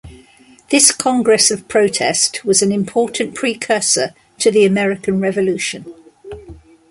This congress of protest was an important precursor to the American Revolution.